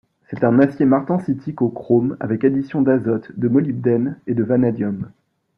C'est un acier martensitique au chrome, avec addition d'azote, de molybdène et de vanadium.